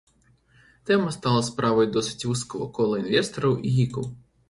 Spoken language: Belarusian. Тэма стала справай досыць вузкага кола інвестараў і гікаў.